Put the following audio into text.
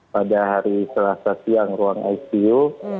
pada hari selasa siang ruang icu